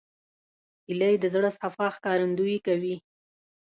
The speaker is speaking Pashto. هیلۍ د زړه صفا ښکارندویي کوي